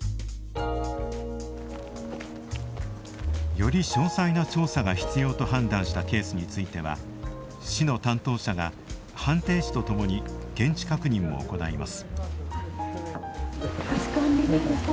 より詳細な調査が必要と判断したケースについては市の担当者が判定士とともに現地確認を行います。